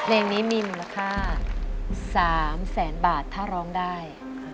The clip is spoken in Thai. เพลงนี้มีมูลค่า๓แสนบาทถ้าร้องได้